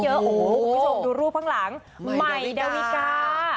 คุณผู้ชมดูรูปข้างหลังใหม่ดาวิกา